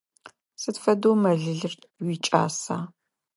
Сыд фэдэу мэлылыр уикӏаса?